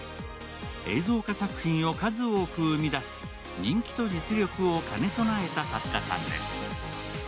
映像化作品を数多く生み出す人気と実力を兼ね備えた作家さんです。